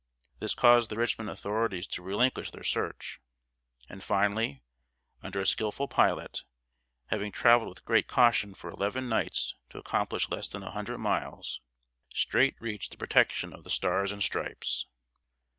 This caused the Richmond authorities to relinquish their search; and finally, under a skillful pilot, having traveled with great caution for eleven nights to accomplish less than a hundred miles, Streight reached the protection of the Stars and Stripes.